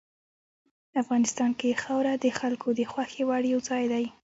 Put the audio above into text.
افغانستان کې خاوره د خلکو د خوښې وړ یو ځای دی.